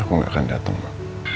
aku gak akan dateng ma